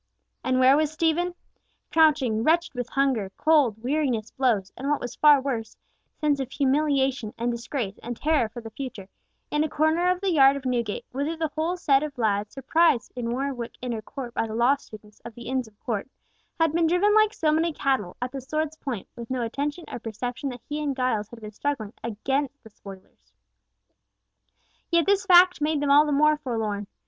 Ill May Day. And where was Stephen? Crouching, wretched with hunger, cold, weariness, blows, and what was far worse, sense of humiliation and disgrace, and terror for the future, in a corner of the yard of Newgate—whither the whole set of lads, surprised in Warwick Inner Court by the law students of the Inns of Court, had been driven like so many cattle, at the sword's point, with no attention or perception that he and Giles had been struggling against the spoilers. Yet this fact made them all the more forlorn.